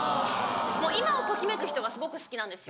もう今を時めく人がすごく好きなんですよ。